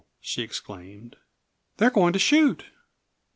she exclaimed. "They are going to shoot!"